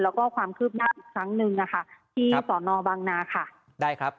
แล้วก็ความคืบหน้าอีกครั้งหนึ่งนะคะที่สอนอบางนาค่ะได้ครับ